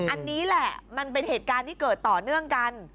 อันนี้แหละมันเป็นเหตุการณ์ที่เกิดต่อเนื่องกัน